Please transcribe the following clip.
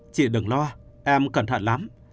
chị đừng lo em cẩn thận lắm